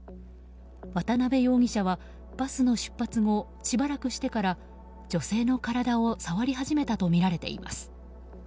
渡辺容疑者はバスの出発後、しばらくしてから女性の体を触り始めたとみられています。